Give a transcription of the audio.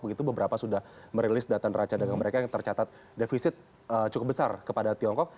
begitu beberapa sudah merilis data neraca dagang mereka yang tercatat defisit cukup besar kepada tiongkok